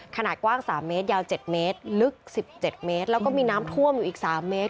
ขนาดกว้าง๓เมตรยาว๗เมตรลึก๑๗เมตรแล้วก็มีน้ำท่วมอยู่อีก๓เมตร